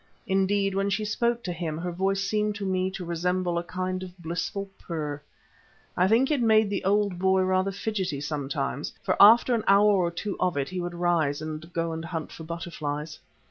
Indeed, when she spoke to him, her voice seemed to me to resemble a kind of blissful purr. I think it made the old boy rather fidgety sometimes, for after an hour or two of it he would rise and go to hunt for butterflies.